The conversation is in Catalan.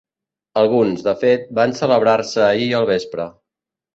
Alguns, de fet, van celebrar-se ahir al vespre.